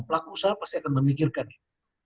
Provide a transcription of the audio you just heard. pelaku usaha pasti akan memikirkan itu